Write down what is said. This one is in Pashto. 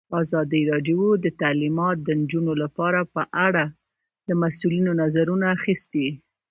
ازادي راډیو د تعلیمات د نجونو لپاره په اړه د مسؤلینو نظرونه اخیستي.